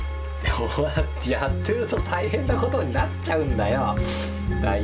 そうやってやってると大変なことになっちゃうんだよ。